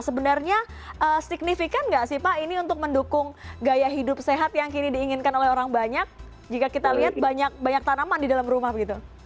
sebenarnya signifikan nggak sih pak ini untuk mendukung gaya hidup sehat yang kini diinginkan oleh orang banyak jika kita lihat banyak tanaman di dalam rumah begitu